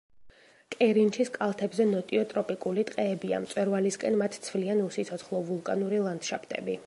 კერინჩის კალთებზე ნოტიო ტროპიკული ტყეებია, მწვერვალისკენ მათ ცვლიან უსიცოცხლო ვულკანური ლანდშაფტები.